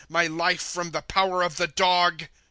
My life from the power of the dog.